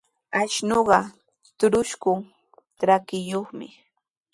Ashnuqa trusku trakiyuqmi.